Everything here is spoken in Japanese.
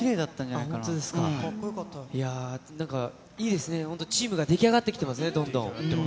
なんかいいですね、本当、チームが出来上がってきてますね、どんどん。